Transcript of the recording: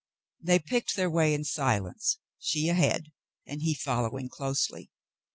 They picked their way in silence, she ahead, and he following closely.